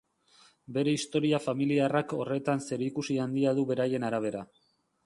Bere historia familiarrak horretan zerikusi handia du beraien arabera.